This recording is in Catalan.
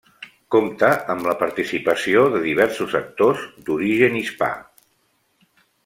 Compta amb la participació de diversos actors d'origen hispà.